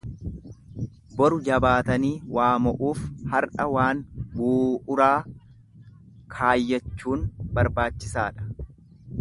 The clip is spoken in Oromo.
Boru jabaatanii waa mo'uuf har'a waan buu'uraa kaayyachuun barbaachisaadha.